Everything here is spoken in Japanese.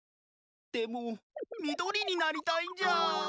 でもみどりになりたいんじゃあ。